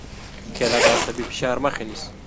کېله د عصبي فشار مخه نیسي.